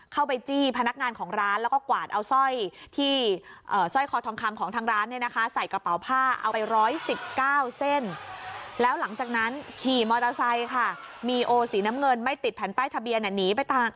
ค่ะมีโอสีน้ำเงินไม่ติดแผ่นป้ายทะเบียน่ะหนีไปทาง